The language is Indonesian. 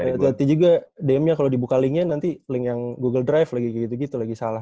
hati hati juga dm nya kalau dibuka linknya nanti link yang google drive lagi gitu gitu lagi salah